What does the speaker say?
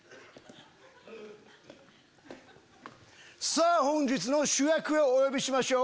さぁ本日の主役をお呼びしましょう！